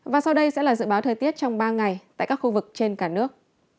và sau đây sẽ là dự báo thời tiết trong ba ngày tại các khu vực trên cả nước